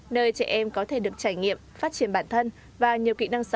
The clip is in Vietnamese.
nơi trẻ em có thể được trải nghiệm phát triển bản thân và nhiều kỹ năng sơ bộ